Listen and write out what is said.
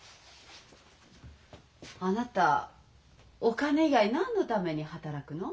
あなたお金以外何のために働くの？